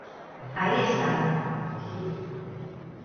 Aí están.